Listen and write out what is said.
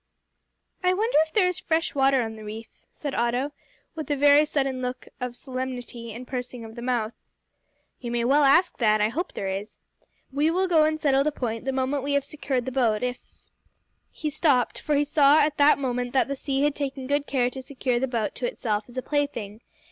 "I wonder if there is fresh water on the reef," said Otto, with a very sudden look of solemnity and pursing of the mouth. "You may well ask that. I hope there is. We will go and settle the point the moment we have secured the boat, if " He stopped, for he saw at that moment that the sea had taken good care to secure the boat to itself as a plaything.